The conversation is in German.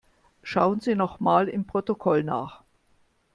Schauen Sie noch mal im Protokoll nach.